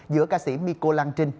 giữa ca sĩ miko lan trinh